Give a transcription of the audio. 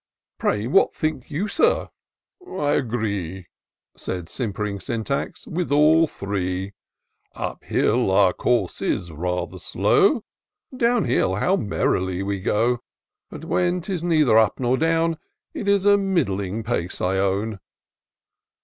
" Pray, what think you, Sir ?"—" I agree," Said simp'ring Syntax, " with all three : Up hill, our course is rather slow ; Down hill, how merrily we go ! But when 'tis neither up nor down, It is a middling pace 1 own."